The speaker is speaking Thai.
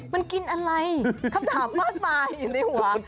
มันกินอะไรคำถามมากมายเลยหรือเปล่า